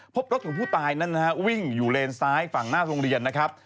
พบรถของผู้ตายนั้นนะฮะวิ่งอยู่เลนซ้ายฝั่งหน้าโรงเรียนนะครับ